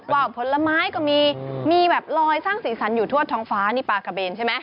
ว่าวผลไม้ก็มีมีแบบลอยสร้างสีสันอยู่ทั่วท้องฟ้านี่ปลากระเบนใช่ไหม